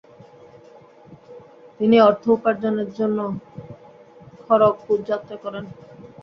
তিনি অর্থ উপার্জনে জন্য খড়্গপুর যাত্রা করেন।